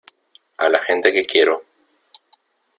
a la gente que quiero.